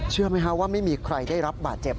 เชื่อไหมครับว่าไม่มีใครได้รับบาดเจ็บ